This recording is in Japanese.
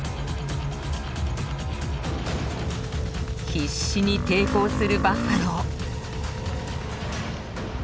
必死に抵抗するバッファロー。